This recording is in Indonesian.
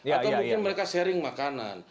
atau mungkin mereka sharing makanan